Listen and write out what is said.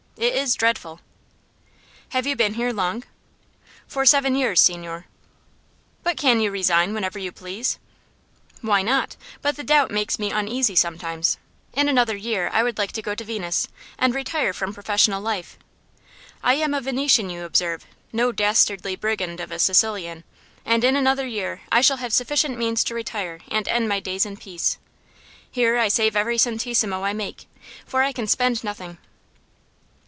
It is dreadful." "Have you been here long?" "For seven years, signore." "But you can resign whenever you please?" "Why not? But the doubt makes me uneasy, sometimes. In another year I would like to go to Venice, and retire from professional life. I am a Venetian, you observe; no dastardly brigand of a Sicilian. And in another year I shall have sufficient means to retire and end my days in peace. Here I save every centessimo I make, for I can spend nothing."